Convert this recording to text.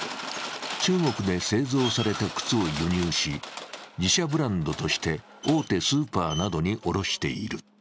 中国で製造された靴を輸入し自社ブランドとして大手スーパーなどに卸している。